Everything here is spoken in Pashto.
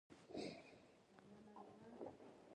پر لستوڼو ټومبل شوي ستوري ولیدل، وېښتان یې خړ.